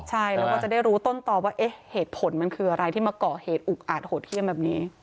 ใช่แล้วก็จะได้รู้ต้นตอบว่าเหตุผลมันคืออะไรที่มาก่อเหตุอุกอาจโหดเยี่ยมแบบนี้